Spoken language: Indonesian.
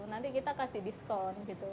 nanti kita kasih diskon gitu